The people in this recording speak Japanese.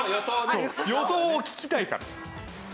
そう予想を聞きたいから。